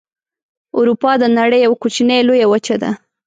اروپا د نړۍ یوه کوچنۍ لویه وچه ده.